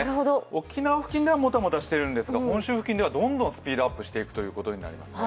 沖縄付近ではもたもたしてるんですが本州付近ではどんどんスピードアップしていくということになります。